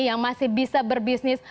yang masih bisa berbisnis